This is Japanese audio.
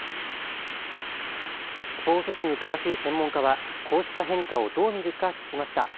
スポーツ史に詳しい専門家はこうした変化をどう見るか聞きました。